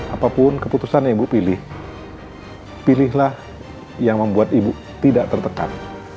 apapun keputusan ibu pilih pilih lah yang membuat ibu tidak tertekan